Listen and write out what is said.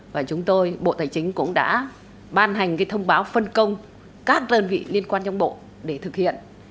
và chúng tôi bộ tài chính cũng đã ban hành thông báo phân công các đơn vị liên quan trong bộ để thực hiện